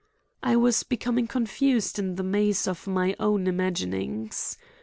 I was becoming confused in the maze of my own imaginings.